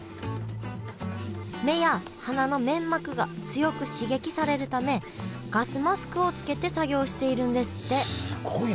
目や鼻の粘膜が強く刺激されるためガスマスクをつけて作業しているんですってすごいな。